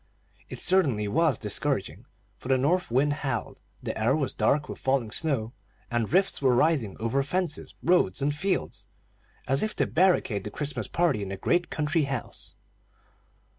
It certainly was discouraging; for the north wind howled, the air was dark with falling snow, and drifts were rising over fences, roads, and fields, as if to barricade the Christmas party in the great country house.